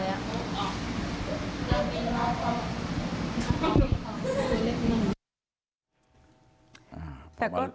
ได้แล้วเองได้ลำเองหล่ะเสมอ